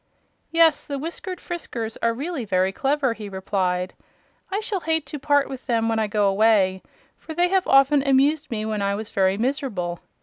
"Yes, the Whiskered Friskers are really very clever," he replied. "I shall hate to part with them when I go away, for they have often amused me when I was very miserable.